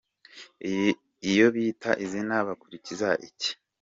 Iyo bita izina bakurikiza iki ?.